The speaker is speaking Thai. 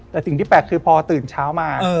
แต่สิ่งที่แปลกคือพอตื่นเช้ามา